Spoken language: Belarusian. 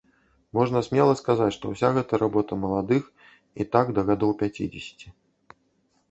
Можна смела сказаць, што ўся гэта работа маладых і так да гадоў пяцідзесяці.